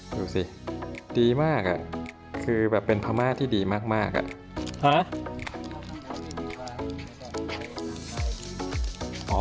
ดูสิดีมากอ่ะคือแบบเป็นพรรมาทที่ดีมากมากอ่ะฮะ